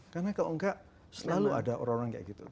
karena kalau enggak selalu ada orang orang kayak gitu